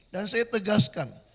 dan saya tegaskan